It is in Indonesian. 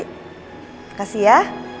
terima kasih ya